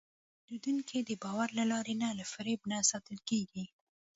پیرودونکی د باور له لارې نه، له فریب نه ساتل کېږي.